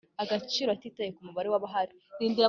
agaciro ititaye k umubare w abahari